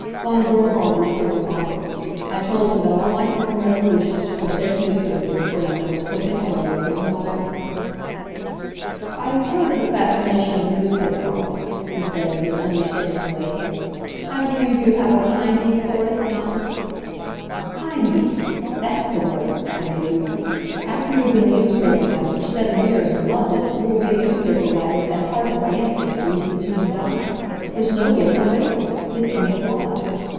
Von Gerhard was here in August. I told him that all my firm resolutions to forsake newspaperdom forever were slipping away, one by one. "I have heard of the fascination of the newspaper office," he said, in his understanding way. "I believe you have a heimweh for it, not?" "Heimweh! That's the word," I had agreed. "After you have been a newspaper writer for seven years and loved it you will be a newspaper writer, at heart and by instinct at least, until you die. There's no getting away from it. It's in the blood.